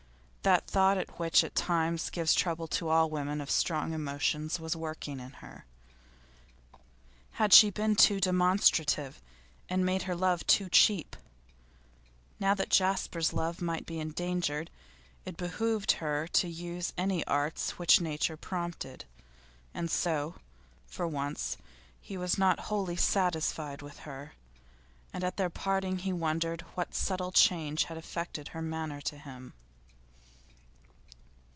That thought which at times gives trouble to all women of strong emotions was working in her: had she been too demonstrative, and made her love too cheap? Now that Jasper's love might be endangered, it behoved her to use any arts which nature prompted. And so, for once, he was not wholly satisfied with her, and at their parting he wondered what subtle change had affected her manner to him.